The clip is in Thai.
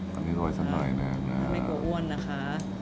ไม่กลัวอ้วนนะค่ะ